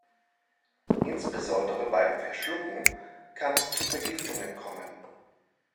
Insbesondere beim Verschlucken kann es zu Vergiftungen kommen.